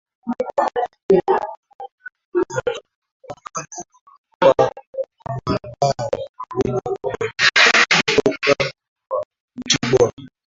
wakalala kwa mabao mawili kwa moja kutoka kwa mtibwa